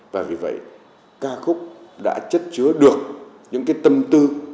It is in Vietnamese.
và vì vậy ca khúc đã chất chứa được những cái tâm tư